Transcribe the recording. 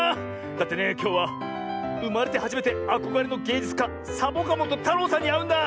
だってねきょうはうまれてはじめてあこがれのげいじゅつかサボカもとたろうさんにあうんだ。